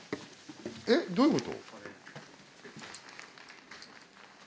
えっどういうこと？